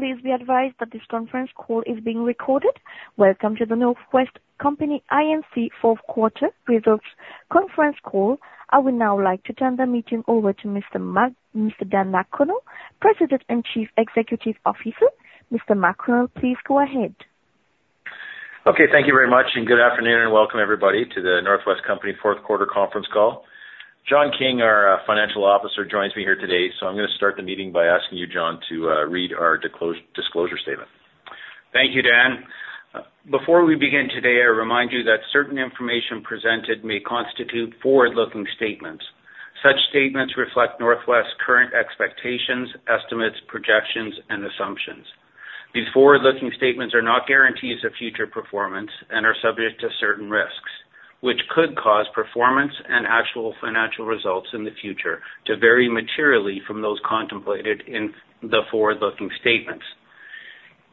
Please be advised that this conference call is being recorded. Welcome to The North West Company Amanda E. Sutton Fourth Quarter Results Conference Call. I would now like to turn the meeting over to Mr. Daniel G. McConnell, President and Chief Executive Officer. Mr. McConnell, please go ahead. Okay. Thank you very much, and good afternoon, and welcome everybody to The North West Company fourth quarter conference call. John King, our financial officer, joins me here today, so I'm going to start the meeting by asking you, John, to read our disclosure statement. Thank you, Dan. Before we begin today, I remind you that certain information presented may constitute forward-looking statements. Such statements reflect North West's current expectations, estimates, projections, and assumptions. These forward-looking statements are not guarantees of future performance and are subject to certain risks, which could cause performance and actual financial results in the future to vary materially from those contemplated in the forward-looking statements.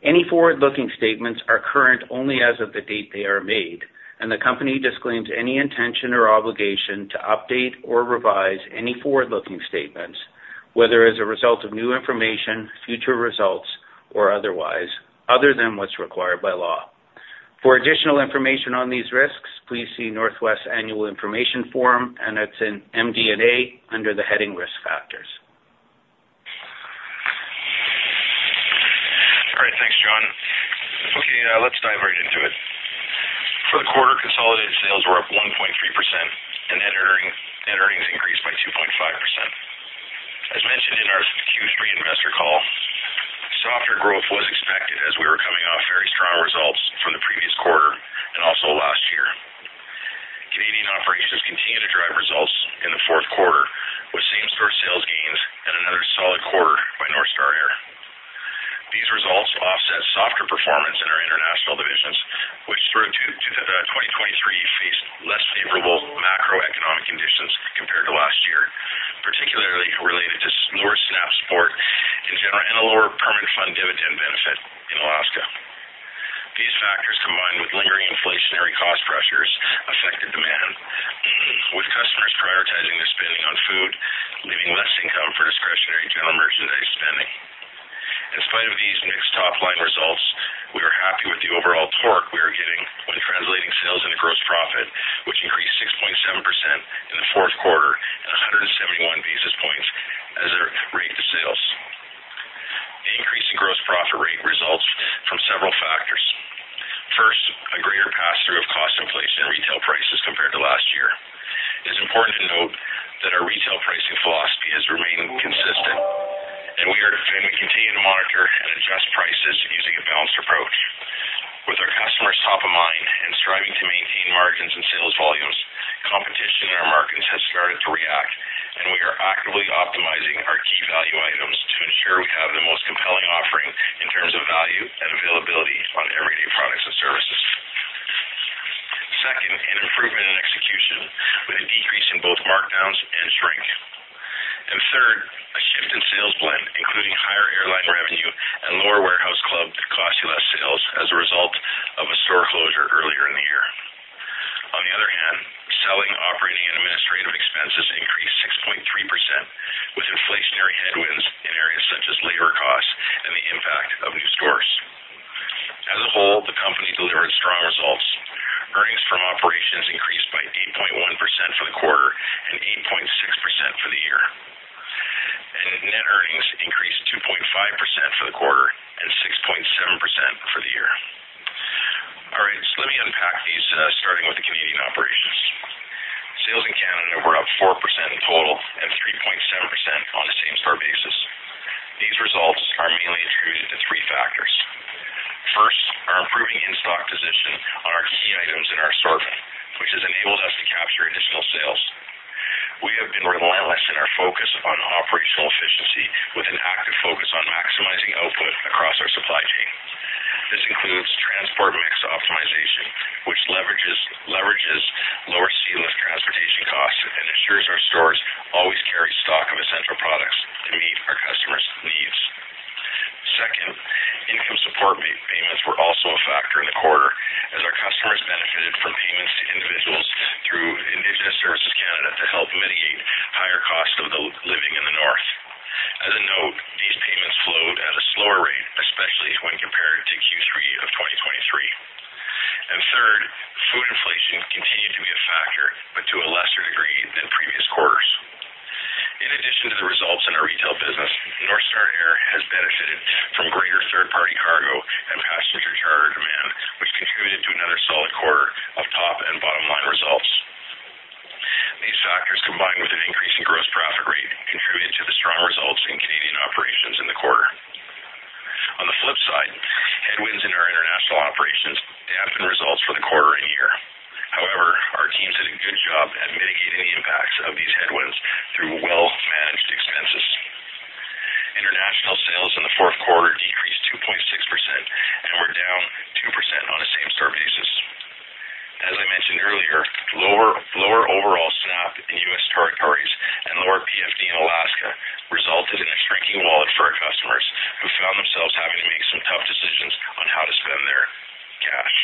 Any forward-looking statements are current only as of the date they are made, and the company disclaims any intention or obligation to update or revise any forward-looking statements, whether as a result of new information, future results, or otherwise, other than what's required by law. For additional information on these risks, please see North West's annual information form, and it's in MD&A under the heading Risk Factors. All right. Thanks, John. Okay. Let's dive right into it. For the quarter, consolidated sales were up 1.3%, and net earnings increased by 2.5%. As mentioned in our Q3 investor call, softer growth was expected as we were coming off very strong results from the previous quarter and also last year. Canadian operations continue to drive results in the fourth quarter with same-store sales gains and another solid quarter by North Star Air. These results offset softer performance in our international divisions, which through 2023 faced less favorable macroeconomic conditions compared to last year, particularly related to lower SNAP support and a lower permanent fund dividend benefit in Alaska. These factors, combined with lingering inflationary cost pressures, affected demand, with customers prioritizing their spending on food, leaving less income for discretionary general merchandise spending. In spite of these mixed top-line results, we are happy with the overall torque we are getting when translating sales into gross profit, which increased 6.7% in the fourth quarter and 171 basis points as a rate to sales. The increase in gross profit rate results from several factors. First, a greater pass-through of cost inflation in retail prices compared to last year. It's important to note that our retail pricing philosophy has remained consistent, and we continue to monitor and adjust prices using a balanced approach. With our customers top of mind and striving to maintain margins and sales volumes, competition in our markets has started to react, and we are actively optimizing our key value items to ensure we have the most compelling offering in terms of value and availability on everyday products and services. Second, an improvement in execution with a decrease in both markdowns and shrink. And third, a shift in sales blend, including higher airline revenue and lower warehouse club, Cost-U-Less sales as a result of a store closure earlier in the year. On the other hand, selling, operating, and administrative expenses increased 6.3% with inflationary headwinds in areas such as labor costs and the impact of new stores. As a whole, the company delivered strong results. Earnings from operations increased by 8.1% for the quarter and 8.6% for the year, and net earnings increased 2.5% for the quarter and 6.7% for the year. All right. So let me unpack these, starting with the Canadian operations. Sales in Canada were up 4% in total and 3.7% on the same-store basis. These results are mainly attributed to three factors. First, our improving in-stock position on our key items in our assortment, which has enabled us to capture additional sales. We have been relentless in our focus on operational efficiency with an active focus on maximizing output across our supply chain. This includes transport mix optimization, which leverages lower sealift transportation costs and ensures our stores always carry stock of essential products to meet our customers' needs. Second, income support payments were also a factor in the quarter as our customers benefited from payments to individuals through Indigenous Services Canada to help mitigate higher costs of living in the north. As a note, these payments flowed at a slower rate, especially when compared to Q3 of 2023. And third, food inflation continued to be a factor, but to a lesser degree than previous quarters. In addition to the results in our retail business, North Star Air has benefited from greater third-party cargo and passenger charter demand, which contributed to another solid quarter of top and bottom-line results. These factors, combined with an increase in gross profit rate, contributed to the strong results in Canadian operations in the quarter. On the flip side, headwinds in our international operations dampened results for the quarter and year. However, our teams did a good job at mitigating the impacts of these headwinds through well-managed expenses. International sales in the fourth quarter decreased 2.6% and were down 2% on a same-store basis. As I mentioned earlier, lower overall SNAP in U.S. territories and lower PFD in Alaska resulted in a shrinking wallet for our customers who found themselves having to make some tough decisions on how to spend their cash.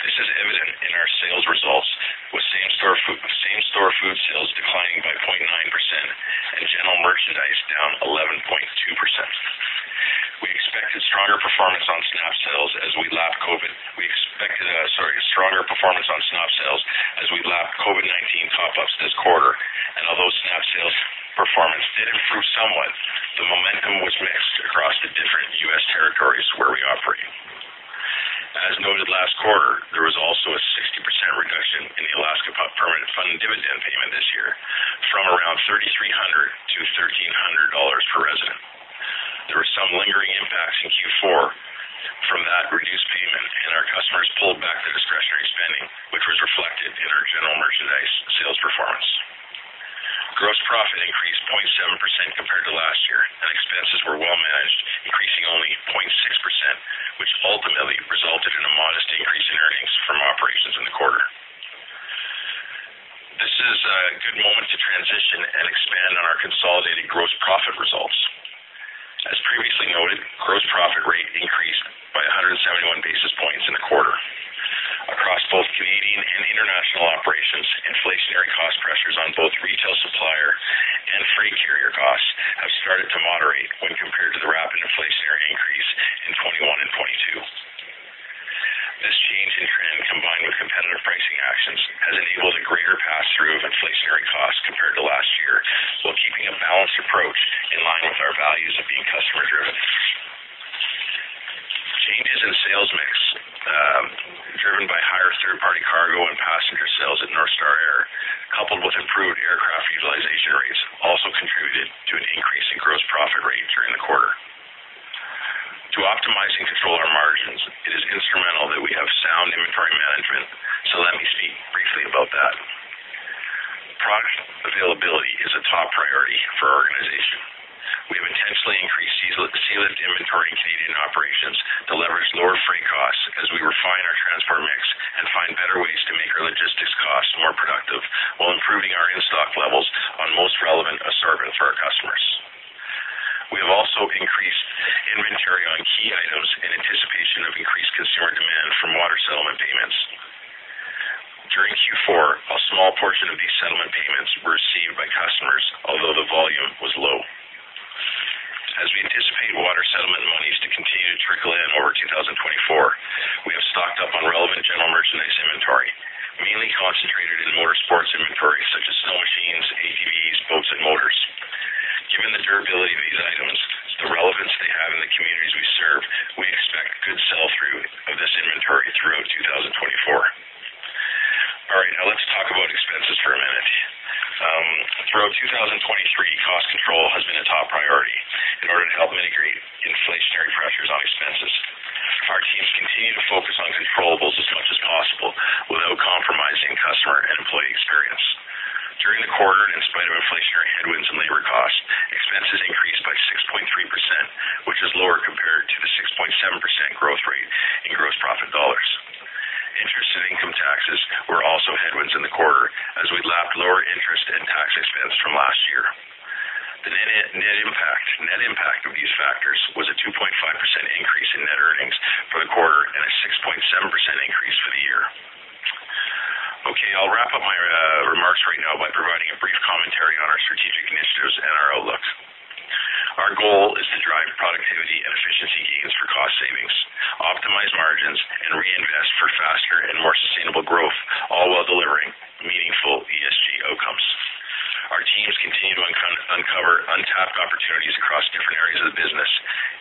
This is evident in our sales results, with same-store food sales declining by 0.9% and general merchandise down 11.2%. We expected stronger performance on SNAP sales as we lapped COVID, we expected, sorry, stronger performance on SNAP sales as we lapped COVID-19 pop-ups this quarter. Although SNAP sales performance did improve somewhat, the momentum was mixed across the different U.S. territories where we operate. As noted last quarter, there was also a 60% reduction in the Alaska Permanent Fund Dividend payment this year from around $3,300-$1,300 per resident. There were some lingering impacts in Q4 from that reduced payment, and our customers pulled back the discretionary spending, which was reflected in our general merchandise sales performance. Gross profit increased 0.7% compared to last year, and expenses were well-managed, increasing only 0.6%, which ultimately resulted in a modest increase in earnings from operations in the quarter. This is a good moment to transition and expand on our consolidated gross profit results. As previously noted, gross profit rate increased by 171 basis points in the quarter. Across both Canadian and international operations, inflationary cost pressures on both retail supplier and freight carrier costs have started to moderate when compared to the rapid inflationary increase in 2021 and 2022. This change in trend, combined with competitive pricing actions, has enabled a greater pass-through of inflationary costs compared to last year while keeping a balanced approach in line with our values of being customer-driven. Changes in sales mix driven by higher third-party cargo and passenger sales at North Star Air, coupled with improved aircraft utilization rates, also contributed to an increase in gross profit rate during the quarter. To optimize and control our margins, it is instrumental that we have sound inventory management, so let me speak briefly about that. Product availability is a top priority for our organization. We have intentionally increased sealift inventory in Canadian operations to leverage lower freight costs as we refine our transport mix and find better ways to make our logistics costs more productive while improving our in-stock levels on most relevant assortments for our customers. We have also increased inventory on key items in anticipation of increased consumer demand from water settlement payments. During Q4, a small portion of these settlement payments were received by customers, although the volume was low. As we anticipate water settlement monies to continue to trickle in over 2024, we have stocked up on relevant general merchandise inventory, mainly concentrated Our goal is to drive productivity and efficiency gains for cost savings, optimize margins, and reinvest for faster and more sustainable growth, all while delivering meaningful ESG outcomes. Our teams continue to uncover untapped opportunities across different areas of the business,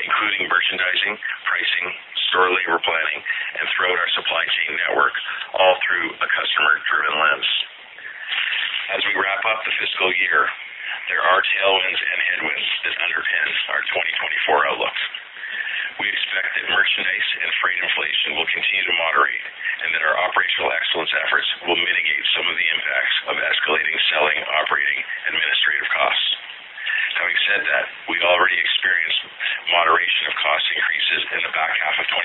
including merchandising, pricing, store labor planning, and throughout our supply chain network, all through a customer-driven lens. As we wrap up the fiscal year, there are tailwinds and headwinds that underpin our 2024 outlook. We expect that merchandise and freight inflation will continue to moderate and that our operational excellence efforts will mitigate some of the impacts of escalating selling, operating, administrative costs. Having said that, we already experienced moderation of cost increases in the back half of 2023,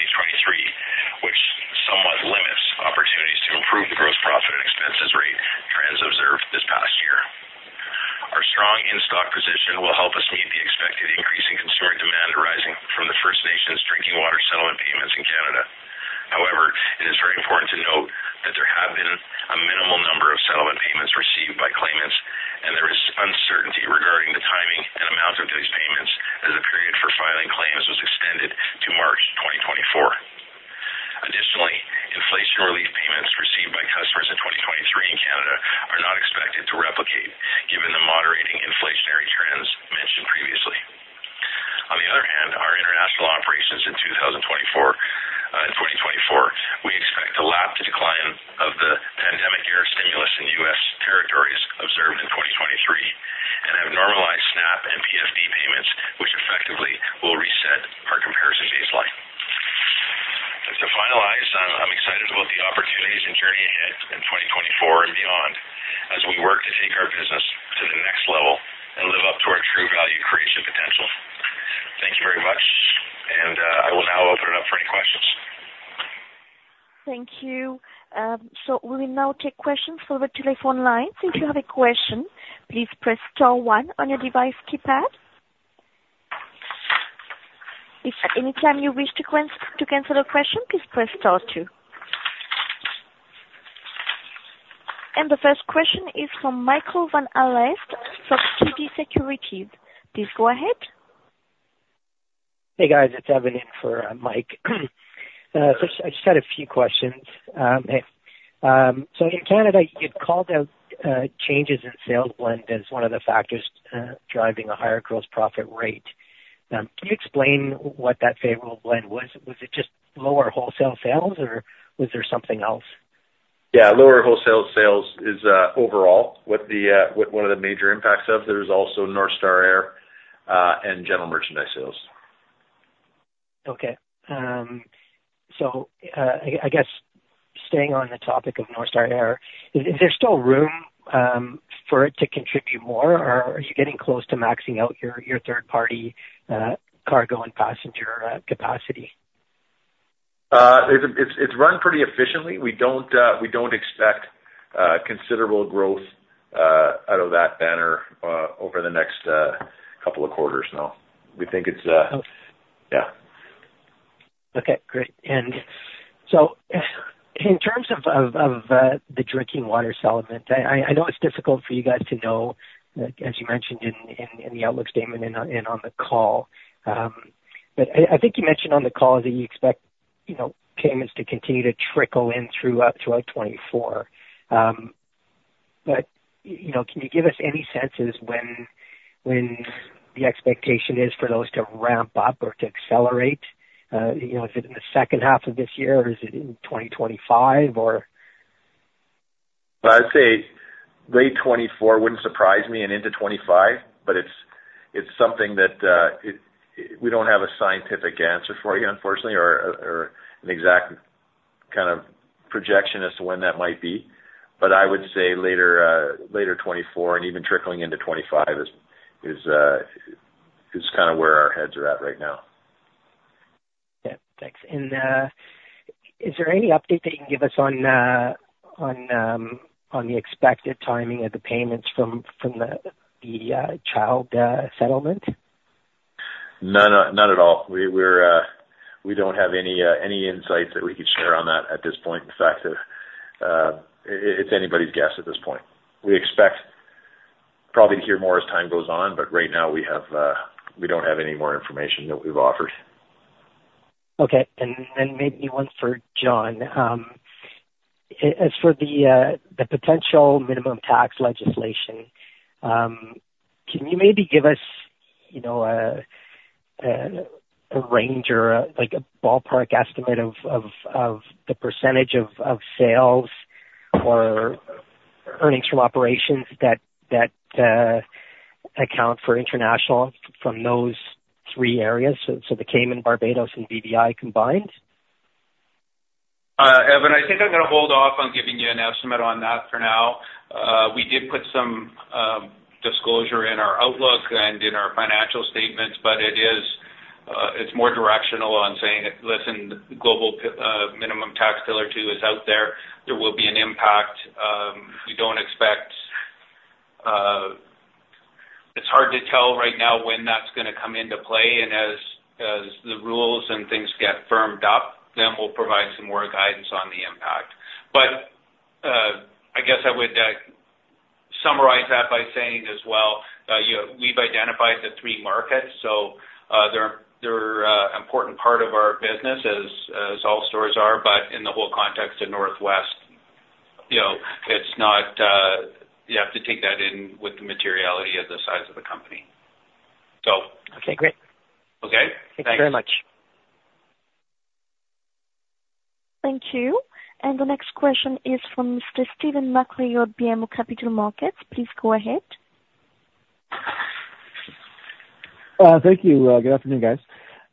which somewhat limits opportunities to improve the gross profit and expenses rate trends observed this past year. Our strong in-stock position will help us meet the expected increase in consumer demand arising from the First Nations Drinking Water Settlement payments in Canada. However, it is very important to note that there have been a minimal number of settlement payments received by claimants, and there is uncertainty regarding the timing and amount of these payments as the period for filing claims was extended to March 2024. Additionally, inflation relief payments received by customers in 2023 in Canada are not expected to replicate given the moderating inflationary trends mentioned previously. On the other hand, our international operations in 2024, we expect to lap the decline of the pandemic air stimulus in U.S. territories observed in 2023 and have normalized SNAP and PFD payments, which effectively will reset our comparison baseline. To finalize, I'm excited about the opportunities and journey ahead in 2024 and beyond as we work to take our business to the next level and live up to our true value creation potential. Thank you very much, and I will now open it up for any questions. Thank you. We will now take questions over the telephone line. If you have a question, please press star one on your device keypad. If at any time you wish to cancel a question, please press star two. The first question is from Michael Van Aelst from TD Securities. Please go ahead. Hey, guys. It's Evan in for Mike. I just had a few questions. In Canada, you'd called out changes in sales blend as one of the factors driving a higher gross profit rate. Can you explain what that favorable blend was? Was it just lower wholesale sales, or was there something else? Yeah. Lower wholesale sales is overall one of the major impacts of. There's also North Star Air and general merchandise sales. Okay. So I guess staying on the topic of North Star Air, is there still room for it to contribute more, or are you getting close to maxing out your third-party cargo and passenger capacity? It's run pretty efficiently. We don't expect considerable growth out of that banner over the next couple of quarters, no. We think it's yeah. Okay. Great. And so in terms of the drinking water settlement, I know it's difficult for you guys to know, as you mentioned in the outlook statement and on the call. But I think you mentioned on the call that you expect payments to continue to trickle in throughout 2024. But can you give us any sense when the expectation is for those to ramp up or to accelerate? Is it in the second half of this year, or is it in 2025, or? I'd say late 2024 wouldn't surprise me and into 2025, but it's something that we don't have a scientific answer for you, unfortunately, or an exact kind of projection as to when that might be. But I would say later 2024 and even trickling into 2025 is kind of where our heads are at right now. Okay. Thanks. And is there any update that you can give us on the expected timing of the payments from the child settlement? Not at all. We don't have any insights that we could share on that at this point. In fact, it's anybody's guess at this point. We expect probably to hear more as time goes on, but right now, we don't have any more information that we've offered. Okay. And then maybe one for John. As for the potential minimum tax legislation, can you maybe give us a range or a ballpark estimate of the percentage of sales or earnings from operations that account for international from those three areas, so the Cayman, Barbados, and BVI combined? Evan, I think I'm going to hold off on giving you an estimate on that for now. We did put some disclosure in our outlook and in our financial statements, but it's more directional on saying, "Listen, the Global Minimum Tax Pillar Two is out there. There will be an impact. We don't expect it's hard to tell right now when that's going to come into play. As the rules and things get firmed up, then we'll provide some more guidance on the impact." But I guess I would summarize that by saying as well, we've identified the three markets. So they're an important part of our business as all stores are, but in the whole context of North West, it's not. You have to take that in with the materiality of the size of the company, so. Okay. Great. Okay. Thanks very much. Thank you. The next question is from Mr. Stephen MacLeod of BMO Capital Markets. Please go ahead. Thank you. Good afternoon, guys.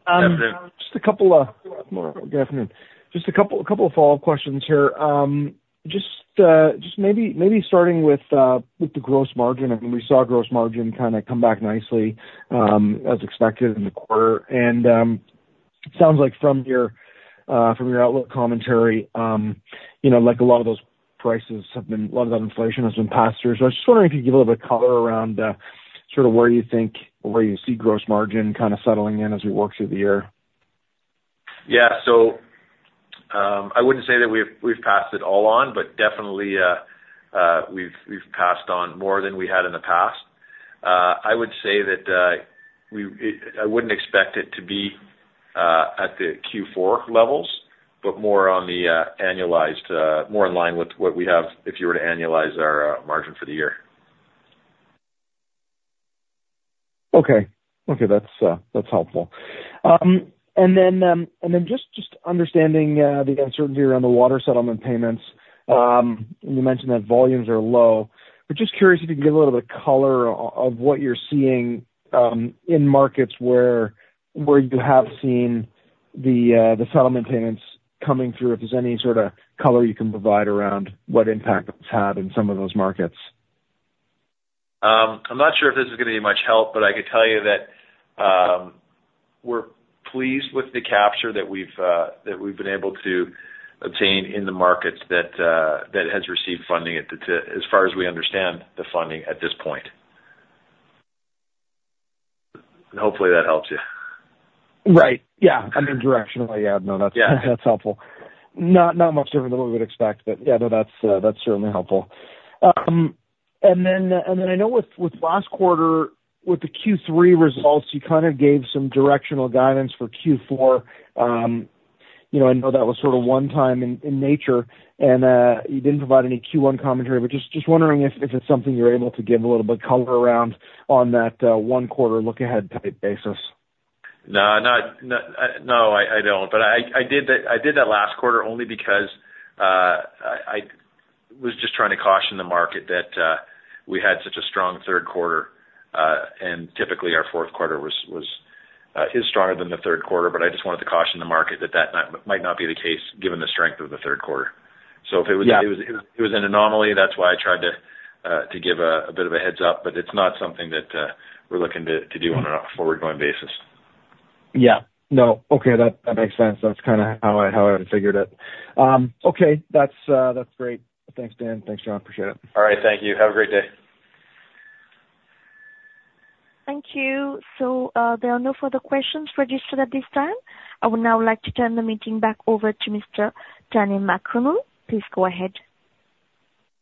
Good afternoon. Just a couple of follow-up questions here. Just maybe starting with the gross margin. I mean, we saw gross margin kind of come back nicely as expected in the quarter. And it sounds like from your outlook commentary, a lot of those prices have been a lot of that inflation has been passed through. So I was just wondering if you could give a little bit of color around sort of where you think or where you see gross margin kind of settling in as we work through the year. Yeah. So I wouldn't say that we've passed it all on, but definitely, we've passed on more than we had in the past. I would say that I wouldn't expect it to be at the Q4 levels, but more on the annualized more in line with what we have if you were to annualize our margin for the year. Okay. Okay. That's helpful. And then just understanding the uncertainty around the water settlement payments, and you mentioned that volumes are low. We're just curious if you can give a little bit of color of what you're seeing in markets where you have seen the settlement payments coming through. If there's any sort of color you can provide around what impact it's had in some of those markets. I'm not sure if this is going to be much help, but I could tell you that we're pleased with the capture that we've been able to obtain in the markets that has received funding as far as we understand the funding at this point. And hopefully, that helps you. Right. Yeah. I mean, directionally, yeah. No, that's helpful. Not much different than what we would expect, but yeah. No, that's certainly helpful. And then I know with last quarter, with the Q3 results, you kind of gave some directional guidance for Q4. I know that was sort of one-time in nature, and you didn't provide any Q1 commentary. But just wondering if it's something you're able to give a little bit of color around on that one-quarter look-ahead type basis. No. No, I don't. But I did that last quarter only because I was just trying to caution the market that we had such a strong third quarter. And typically, our fourth quarter is stronger than the third quarter, but I just wanted to caution the market that that might not be the case given the strength of the third quarter. So if it was an anomaly, that's why I tried to give a bit of a heads up. But it's not something that we're looking to do on a forward-going basis. Yeah. No. Okay. That makes sense. That's kind of how I figured it. Okay. That's great. Thanks, Dan. Thanks, John. Appreciate it. All right. Thank you. Have a great day. Thank you. So there are no further questions registered at this time. I would now like to turn the meeting back over to Mr. Daniel McConnell. Please go ahead.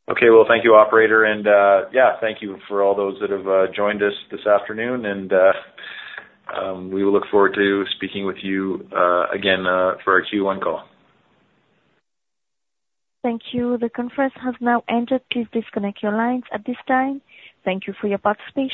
Okay. Well, thank you, operator. And yeah, thank you for all those that have joined us this afternoon. And we will look forward to speaking with you again for our Q1 call. Thank you. The conference has now ended. Please disconnect your lines at this time. Thank you for your participation.